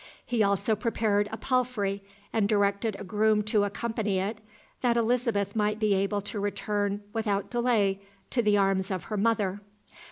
He also prepared a palfrey, and directed a groom to accompany it, that Elizabeth might be able to return without delay to the arms of her mother.